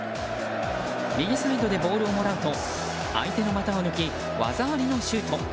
右サイドでボールをもらうと相手の股を抜き技ありのシュート。